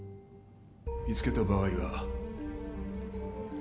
見つけた場合は。